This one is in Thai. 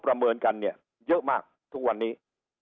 ประเมินกันเนี่ยเยอะมากทุกวันนี้